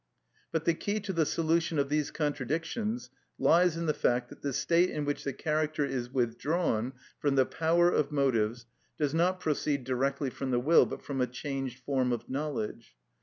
But the key to the solution of these contradictions lies in the fact that the state in which the character is withdrawn from the power of motives does not proceed directly from the will, but from a changed form of knowledge.